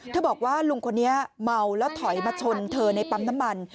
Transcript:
บอกว่าลุงคนนี้เมาแล้วถอยมาชนเธอในปั๊มน้ำมัน